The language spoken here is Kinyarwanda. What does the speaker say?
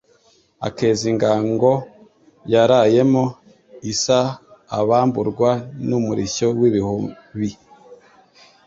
Akeza ingango yarayemo isaAbamburwa n' umurishyo w' ibihubi